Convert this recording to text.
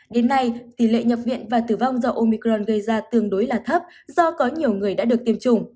đến nay tỷ lệ nhập viện và tử vong do omicron gây ra tương đối là thấp do có nhiều người đã được tiêm chủng